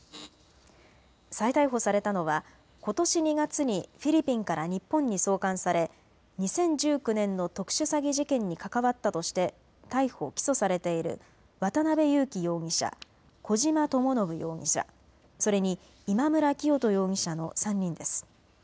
再逮捕されたのはことし２月にフィリピンから日本に送還され２０１９年の特殊詐欺事件に関わったとして逮捕・起訴されている渡邉優樹容疑者、小島智信容疑者、それに今村磨人容疑者の３人です。